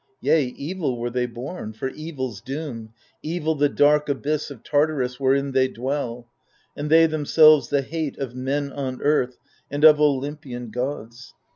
Yea, evil were they bom, for eviPs doom, Evil the dark abyss of Tartarus Wherein they dwell, and they themselves the hate Of men on earth, and of Olympian gods.